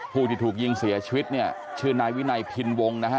ผู้ที่ถูกยิงเสียชีวิตเนี่ยชื่อนายวินัยพินวงนะฮะ